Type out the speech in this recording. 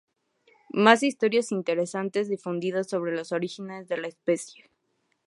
Más historias interesantes difundidas sobre los orígenes de la especie.